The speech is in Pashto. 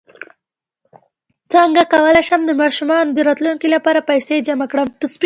څنګ کولی شم د ماشومانو د راتلونکي لپاره پیسې جمع کړم